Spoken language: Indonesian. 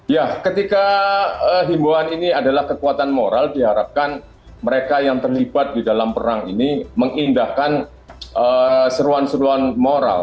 ya ketika himbauan ini adalah kekuatan moral diharapkan mereka yang terlibat di dalam perang ini mengindahkan seruan seruan moral